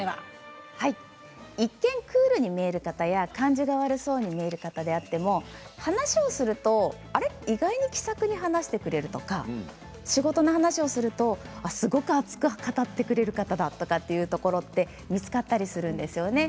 一見、クールに見える方や感じが悪そうに見える方であっても話をすると意外に気さくに話してくれるとか仕事の話をすると、すごく熱く語ってくれる方だというところって見つかったりするんですよね。